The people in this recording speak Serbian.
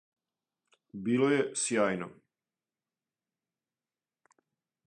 Било је сјајно.